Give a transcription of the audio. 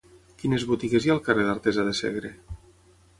Quines botigues hi ha al carrer d'Artesa de Segre?